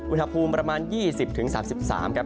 อุณหภูมิประมาณ๒๐๓๓ครับ